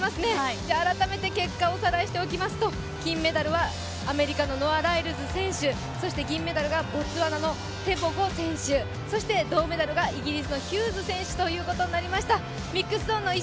改めて結果をおさらいしますと金メダルはアメリカのノア・ライルズ選手、銀メダルがボツワナのテボゴ選手、そして銅メダルがイギリスのヒューズ選手ということになりました。